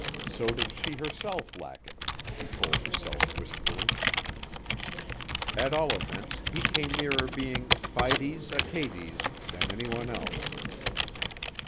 So did she herself lack it, she told herself wistfully. At all events he came nearer being fides Achates than any one else.